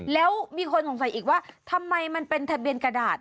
แล้วมีคนสงสัยอีกว่าทำไมมันเป็นทะเบียนกระดาษ